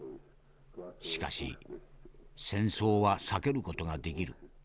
しかし戦争は避ける事ができる。